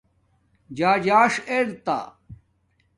ژازاݽ ار تہ